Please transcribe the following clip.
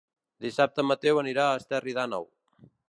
Dissabte en Mateu anirà a Esterri d'Àneu.